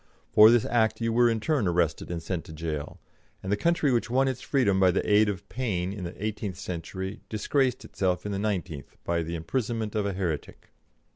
For this act you were in turn arrested and sent to jail, and the country which won its freedom by the aid of Paine in the eighteenth century disgraced itself in the nineteenth by the imprisonment of a heretic.